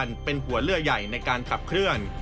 เชือกสุบันเป็นหัวเลือดใหญ่ในการขับเคลื่อน